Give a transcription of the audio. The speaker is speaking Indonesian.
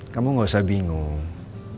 kamu gak usah bingung